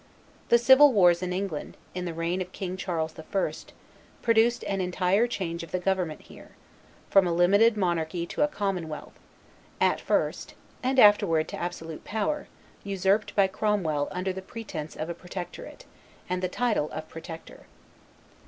The civil wars in England, in the reign of King Charles I., produced an entire change of the government here, from a limited monarchy to a commonwealth, at first, and afterward to absolute power, usurped by Cromwell, under the pretense of protection, and the title of Protector.